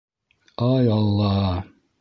- Ай, алла!